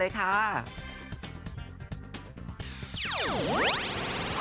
พี่บุรสิ